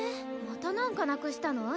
また何かなくしたの？